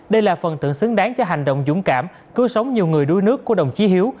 đây là phần tượng xứng đáng cho hành động dũng cảm cứu sống nhiều người đuối nước của đồng chí hiếu